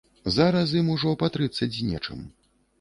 Зараз ім ужо па трыццаць з нечым.